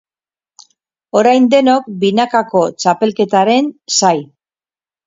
Orain denok binakako txapelketaren zai.